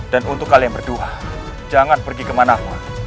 dan untuk kalian berdua jangan pergi kemana mana